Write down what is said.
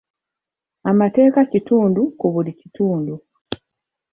Amateeka kitundu ku buli kitundu.